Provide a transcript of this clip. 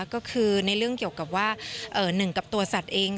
ก็คือในเรื่องเกี่ยวกับว่า๑กับตัวสัตว์เอง